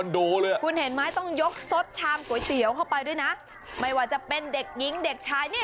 ด้วยกินกันตั้งคอนโดเข้าไปด้วยนะไม่ว่าจะเป็นเด็กหญิงเด็กชาย